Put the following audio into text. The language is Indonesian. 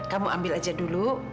kamu ambil aja dulu